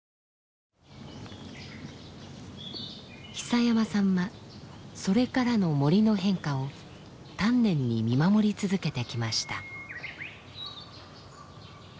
久山さんはそれからの森の変化を丹念に見守り続けてきました。